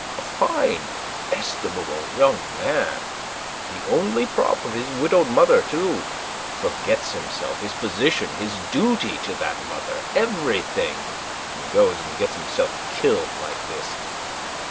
A fine, estimable young man, the only prop of his widowed mother too, forgets himself, his position, his duty to that mother everything; and goes and gets himself killed like this.